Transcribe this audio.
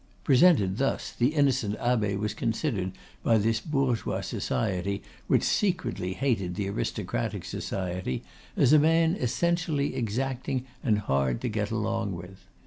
Presented thus, the innocent abbe was considered by this bourgeois society, which secretly hated the aristocratic society, as a man essentially exacting and hard to get along with.